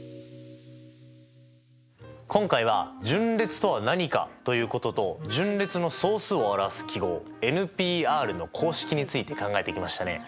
今回は順列とは何かということと順列の総数を表す記号Ｐの公式について考えてきましたね。